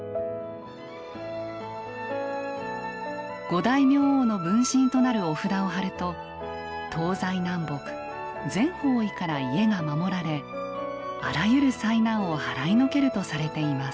五大明王の分身となるお札を貼ると東西南北全方位から家が守られあらゆる災難を払いのけるとされています。